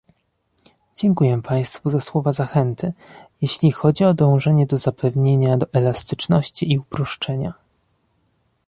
Dziękuję państwu za słowa zachęty, jeśli chodzi o dążenie do zapewnienia elastyczności i uproszczenia